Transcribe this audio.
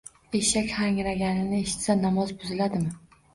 Eshak hangraganini eshitsa, namoz buziladimi?